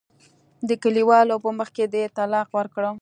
د کلیوالو په مخ کې دې طلاق ورکړه.